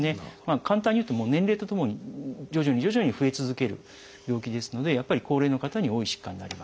簡単に言うと年齢とともに徐々に徐々に増え続ける病気ですのでやっぱり高齢の方に多い疾患になります。